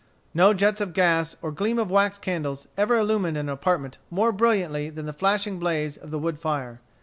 No jets of gas or gleam of wax candles ever illumined an apartment more brilliantly than the flashing blaze of the wood fire.